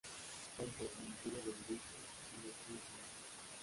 Fuente: Ministerio de industria, energía y turismo.